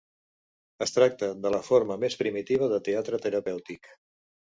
Es tracta de la forma més primitiva de teatre terapèutic.